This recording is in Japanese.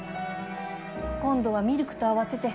今度はミルクと合わせて